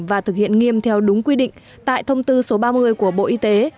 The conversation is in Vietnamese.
và thực hiện nghiêm theo đúng quy định tại thông tư số ba mươi của bộ y tế